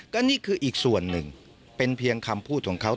ก็นี่คืออีกส่วนหนึ่งเป็นเพียงคำพูดของเขา